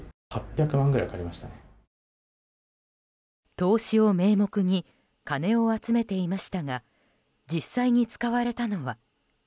投資を名目に金を集めていましたが実際に使われたのは。